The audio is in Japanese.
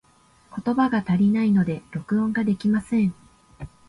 言葉が足りないので、録音ができません。